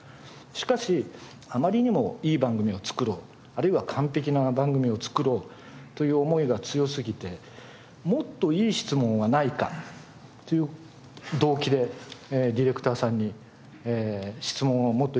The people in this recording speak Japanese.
しかしあまりにもいい番組を作ろうあるいは完璧な番組を作ろうという思いが強すぎてもっといい質問はないか？という動機でディレクターさんに質問はもっといいのはないか？